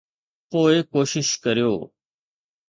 پوء ڪوشش ڪريو